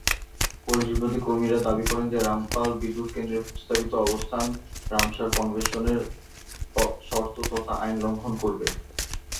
পরিবেশবাদী কর্মীরা দাবি করেন যে রামপাল বিদ্যুৎ কেন্দ্রের প্রস্তাবিত অবস্থান রামসার কনভেনশনের শর্ত তথা আইন লঙ্ঘন করবে।